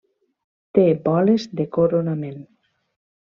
Té boles de coronament.